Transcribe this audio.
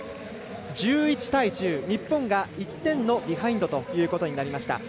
１１対１０、日本が１点のビハインドということになりました。